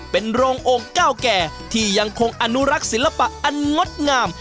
เป็นโรงองค์เก่าแก่ที่ยังคงอนุรักษ์ศิลปะอันงดงาม